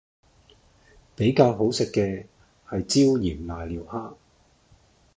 比較好食嘅係椒鹽賴尿蝦